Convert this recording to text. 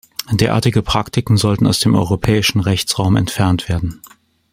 Derartige Praktiken sollten aus dem europäischen Rechtsraum entfernt werden.